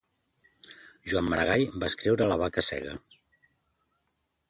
Joan Maragall va escriure la vaca cega